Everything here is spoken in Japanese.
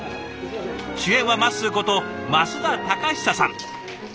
主演はまっすーこと増田貴久さん。